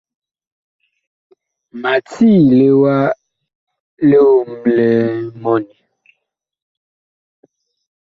Ma tiile wa liomle li mɔni.